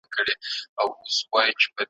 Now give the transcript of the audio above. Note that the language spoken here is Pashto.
غزرائيل د دښمنانو ,